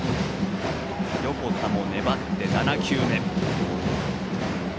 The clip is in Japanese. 横田も粘って７球目。